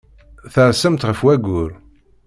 Tersemt ɣef wayyur.